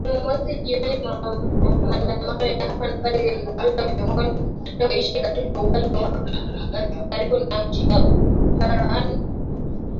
Jumamosi jioni maandamano ya hapa na pale yalizuka miongoni mwa washia katika ufalme wa karibu huko nchini Bahrain, kuhusiana na mauaji hayo ya watu wengi